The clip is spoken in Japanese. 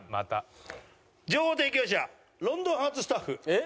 情報提供者『ロンドンハーツ』スタッフ。